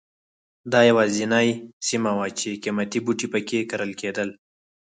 دا یوازینۍ سیمه وه چې قیمتي بوټي په کې کرل کېدل.